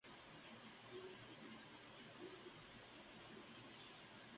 Un ejemplo de esto son las llamadas tecnologías de la información y la comunicación.